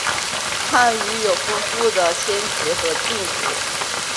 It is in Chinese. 汉语有丰富的谦辞和敬辞。